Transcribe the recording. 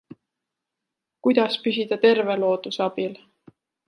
Kuidas püsida terve looduse abil?